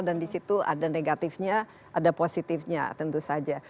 dan di situ ada negatifnya ada positifnya tentu saja